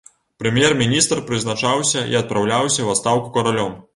Прэм'ер-міністр прызначаўся і адпраўляўся ў адстаўку каралём.